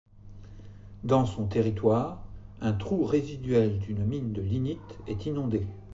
Dans son territoire, un trou résiduel d'une mine de lignite est inondé.